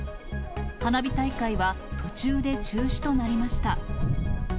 花火大会は途中で中止となりました。